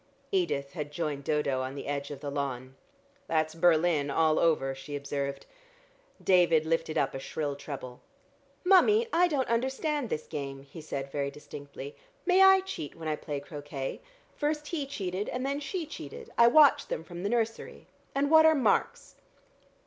Edith had joined Dodo on the edge of the lawn. "That's Berlin all over," she observed. David lifted up a shrill treble. "Mummie, I don't understand this game," he said very distinctly. "May I cheat when I play croquet? First he cheated and then she cheated: I watched them from the nursery. And what are marks?"